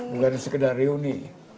bukan sekedar reuni